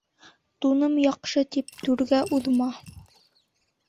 Туным яҡшы тип, түргә уҙма.